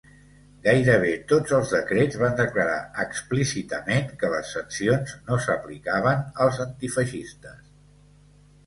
Gairebé tots els decrets van declarar explícitament que les sancions no s'aplicaven als antifeixistes.